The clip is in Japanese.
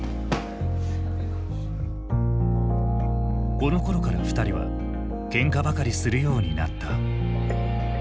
このころから二人はけんかばかりするようになった。